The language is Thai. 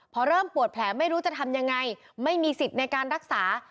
พอเริ่มปวดแผลไม่รู้จะทำยังไงไม่มีสิทธิ์ในการรักษา